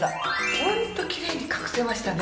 ホントキレイに隠せましたね。